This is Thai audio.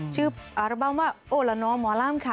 ชื่ออาร์บัมว่าโอละน้อหมอล่ำค่ะ